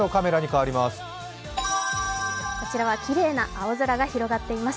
こちらはきれいな青空が広がっています。